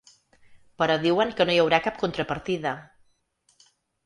Però diuen que no hi haurà cap contrapartida.